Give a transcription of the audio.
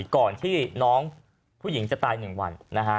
ก่อนที่น้องผู้หญิงจะตาย๑วัน